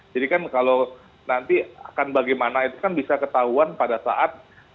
jadi kan kalau nanti akan bagaimana itu kan bisa ketahuan pada saat